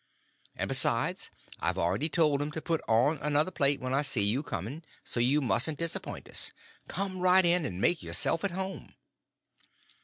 And, besides, I've already told 'em to put on another plate when I see you coming; so you mustn't disappoint us. Come right in and make yourself at home."